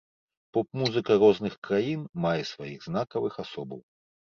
Поп-музыка розных краін мае сваіх знакавых асобаў.